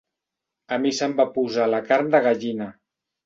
A mi se'm va posar la carn de gallina.